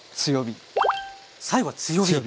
最後は強火。